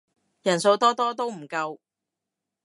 人數多多都唔夠